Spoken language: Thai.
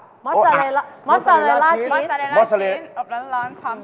โอ๊ะอ่ะมอสซาเลล่าชีสมอสซาเลล่าชีสอบร้อนความเสียบ